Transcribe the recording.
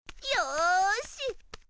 よし！